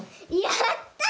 やった！